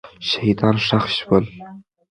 شهیدان ښخ سول.